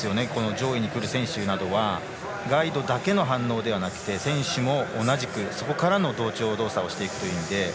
上位にくる選手などはガイドだけの反応ではなくて選手も同じく、そこからの同調動作をしていくので。